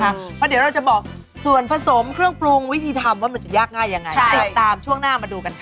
เพราะเดี๋ยวเราจะบอกส่วนผสมเครื่องปรุงวิธีทำว่ามันจะยากง่ายยังไงติดตามช่วงหน้ามาดูกันค่ะ